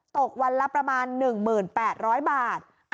ตกวันละประมาณ๑๘๐๐บาท